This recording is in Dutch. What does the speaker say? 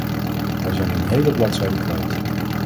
Wij zijn een hele bladzijde kwijt.